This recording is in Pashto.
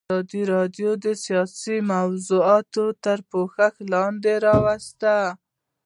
ازادي راډیو د سیاست موضوع تر پوښښ لاندې راوستې.